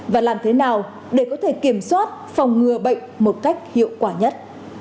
và làm thế nào để có thể kiểm soát phòng ngừa bệnh một cách hiệu quả nhất